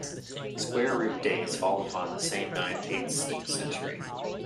Square Root Days fall upon the same nine dates each century.